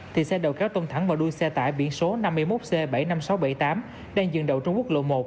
thì xe đầu kéo tông thẳng vào đuôi xe tải biển số năm mươi một c bảy mươi năm nghìn sáu trăm bảy mươi tám đang dừng đậu trên quốc lộ một